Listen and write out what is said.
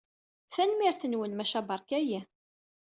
Tanemmirt-nwen, maca beṛka-iyi.